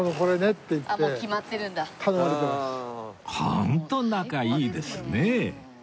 ホント仲いいですね！